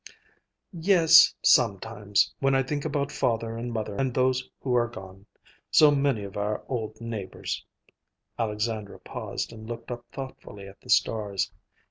"Yes, sometimes, when I think about father and mother and those who are gone; so many of our old neighbors." Alexandra paused and looked up thoughtfully at the stars.